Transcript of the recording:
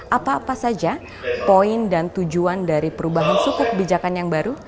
apa apa saja poin dan tujuan dari perubahan suku kebijakan yang baru